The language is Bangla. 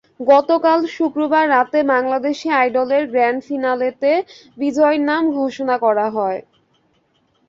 গতকাল শুক্রবার রাতে বাংলাদেশি আইডলের গ্র্যান্ড ফিনালেতে বিজয়ীর নাম ঘোষণা করা হয়।